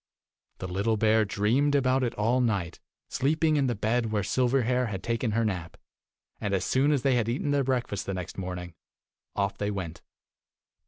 The little bear dreamed about it all night, sleeping in the bed where Silverhair had taken her nap, and as soon as they had eaten their breakfast the next morning, off they went.